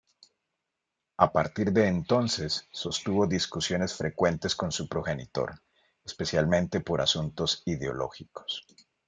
A partir de entonces sostuvo discusiones frecuentes con su progenitor, especialmente por asuntos ideológicos.